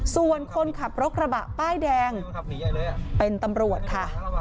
ส่วนคนขับรถกระบะป้ายแดงเป็นตำรวจค่ะ